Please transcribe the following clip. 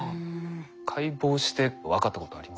解剖して分かったことありますか？